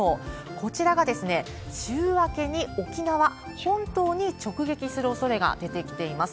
こちらがですね、週明けに沖縄本島に直撃するおそれが出てきています。